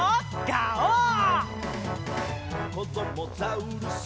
「こどもザウルス